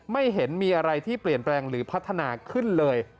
ไม่เห็นมีอะไรที่เปลี่ยนแปลงหรือพัฒนาขึ้นเลย